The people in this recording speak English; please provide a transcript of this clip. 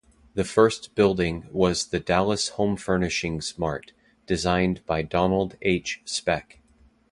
The first building was the Dallas Homefurnishings Mart, designed by Donald H. Speck.